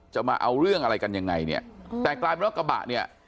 มาเอาเรื่องอะไรกันยังไงเนี่ยแต่กลายเป็นว่ากระบะเนี่ย